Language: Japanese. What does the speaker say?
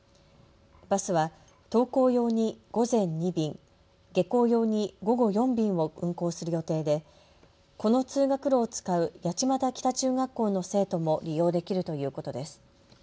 バスは登校用に午前２便、下校用に午後４便を運行する予定でこの通学路を使う八街北中学校の生徒も利用できるということです。